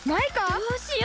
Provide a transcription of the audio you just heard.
どうしよう！